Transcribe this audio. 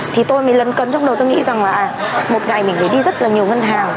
thì tôi mới lấn cấn trong đầu tôi nghĩ rằng là một ngày mình phải đi rất là nhiều ngân hàng